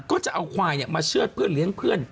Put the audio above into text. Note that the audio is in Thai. ก็จะเอาควายมาเชื่อดเพื่อเลี้ยงเพื่อน